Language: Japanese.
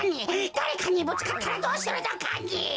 だれかにぶつかったらどうするのかね。